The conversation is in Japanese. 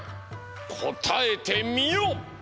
こたえてみよ！